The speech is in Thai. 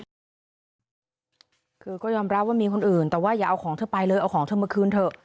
หนูก็ยอมรับมีคนอื่นแต่ว่าอย่าเอาของเธอไปแล้วเธอมึงมาคืนเถอะ